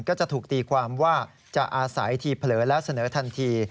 ก็จะถูกตีความว่าจะอาศัยทีเผลอและเสนอทันที